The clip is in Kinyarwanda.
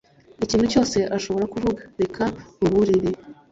Ikintu cyose ashobora kuvuga Reka nkuburire